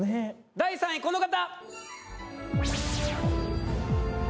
第３位この方！